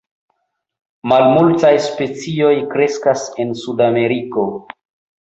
Malmultaj specioj kreskas en Sudameriko.